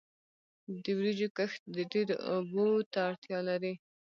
د وریجو کښت ډیرو اوبو ته اړتیا لري.